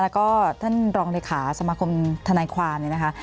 แล้วก็ท่านรองริขาสมาคมธนายความนะคะ